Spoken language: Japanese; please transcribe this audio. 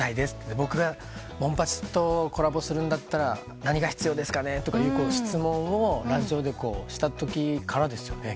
「僕がモンパチとコラボするんだったら何が必要ですかね？」という質問をラジオでしたときからですよね？